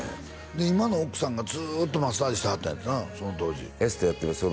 で今の奥さんがずっとマッサージしてはったんやってなその当時エステやってます